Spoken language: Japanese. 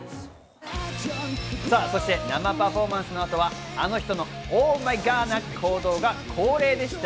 そして生パフォーマンスの後はあの人のＯｈＭｙＧｏｄな行動が恒例でした。